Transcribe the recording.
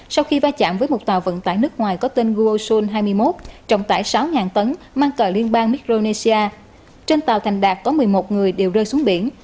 sau khi va chạm với một tàu vận tải nước ngoài có tên goosol hai mươi một trọng tải sáu tấn mang cờ liên bang micronesia trên tàu thành đạt có một mươi một người đều rơi xuống biển